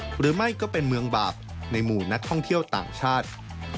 หรือไม่ก็เป็นเมืองบาปในหมู่นักท่องเที่ยวต่างชาติ